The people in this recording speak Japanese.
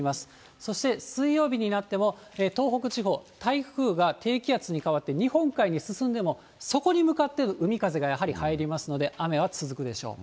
そして水曜日になっても、東北地方、台風が低気圧に変わって、日本海に進んでも、そこに向かってる海風がやはり入りますので、雨は続くでしょう。